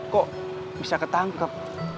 kok bisa ketangkep